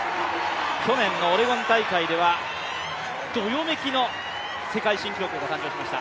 去年のオレゴン大会ではどよめきの世界新記録も誕生しました。